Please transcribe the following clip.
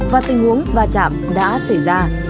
và tình huống va chạm đã xảy ra